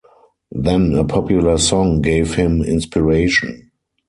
Then a popular song gave him inspiration.